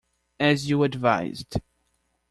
As you advised.